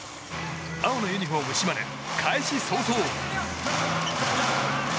青のユニホーム島根開始早々。